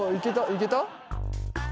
いけた？